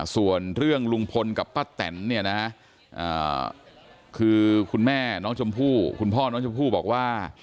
ส่วนเรื่องลุงพลกับป้าแตนเนี่ยนะฮะคือคุณแม่น้องชมพู่คุณพ่อน้องชมพู่บอกว่า